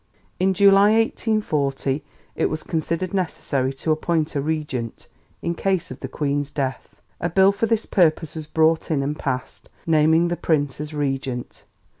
In July 1840, it was considered necessary to appoint a Regent in case of the Queen's death. A Bill for this purpose was brought in and passed, naming the Prince as Regent.